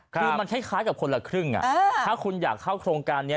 คือมันคล้ายกับคนละครึ่งถ้าคุณอยากเข้าโครงการนี้